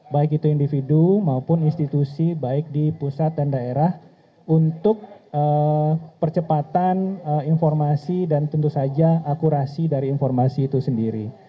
baik itu individu maupun institusi baik di pusat dan daerah untuk percepatan informasi dan tentu saja akurasi dari informasi itu sendiri